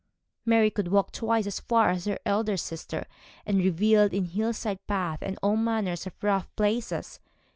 Mary could walk twice as far as her elder sister, and revelled in hill side paths and all manner of rough places.